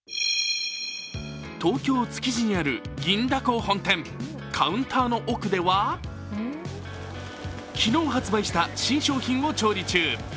東京・築地にある銀だこ本店カウンターの奥では昨日、発売した新商品を調理中。